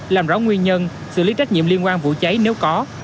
làm rõ nguyên nhân xử lý trách nhiệm liên quan vụ cháy nếu có